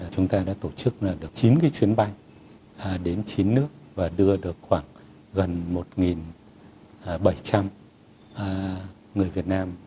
chúng ta đã tổ chức được chín cái chuyến bay đến chín nước và đưa được khoảng gần một bảy trăm linh người việt nam